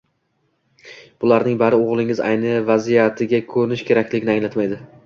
Bularning bari o‘g‘lingiz ayni vaziyatiga ko‘nishi kerakligini anglatmaydi.